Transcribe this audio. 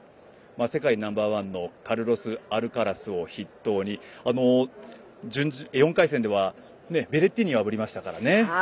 世界ナンバーワンのカルロス・アルカラスを筆頭に４回戦では、ベレッティーニを破りましたからね。